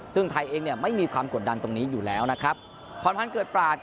ซึ่งไทยเองเนี่ยไม่มีความกดดันตรงนี้อยู่แล้วนะครับพรพันธ์เกิดปราศ